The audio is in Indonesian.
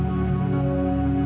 telepon rumah mbak mawa